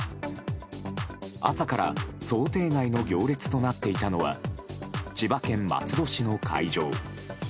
朝から想定外の行列となっていたのは千葉県松戸市の会場。